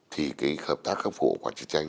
thì cái hợp tác khắc phục hậu quả chiến tranh